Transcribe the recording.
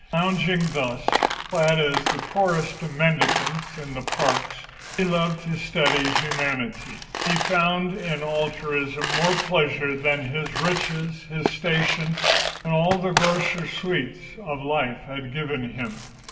Lounging thus, clad as the poorest of mendicants in the parks, he loved to study humanity. He found in altruism more pleasure than his riches, his station and all the grosser sweets of life had given him.